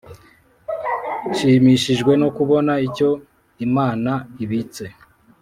nshimishijwe no kubona icyo imana ibitse